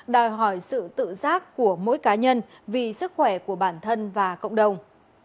đòi hỏi sự tự giác của mỗi cá nhân vì sức khỏe của bản thân và cộng đồng